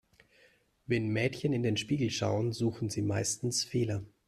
Wenn Mädchen in den Spiegel schauen, suchen sie meistens Fehler.